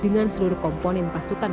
dengan seluruh komponen pasukan